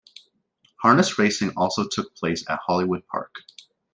Harness Racing also took place at Hollywood Park.